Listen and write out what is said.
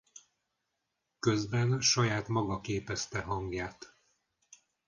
Közben saját maga képezte hangját.